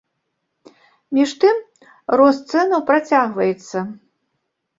Між тым, рост цэнаў працягваецца.